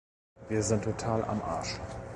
Wir sind total am Arsch!